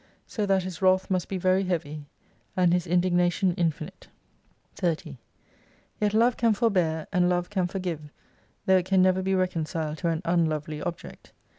So that His wrath must be very heavy, and His indigna tion infinite. 30 Yet Love can forbear, and Love can forgive, though it can never be reconciled to an unlovely object.